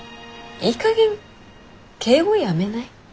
いいかげん敬語やめない？